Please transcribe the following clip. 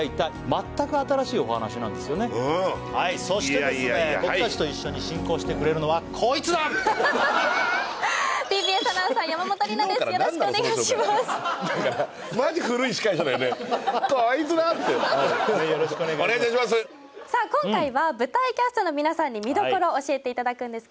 マジはいよろしくお願いします